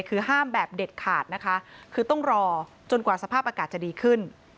คือห้ามแบบเด็ดขาดนะคะคือต้องรอจนกว่าสภาพอากาศจะดีขึ้น